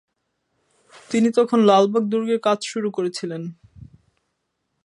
তিনি তখন লালবাগ দুর্গের কাজ শুরু করেছিলেন।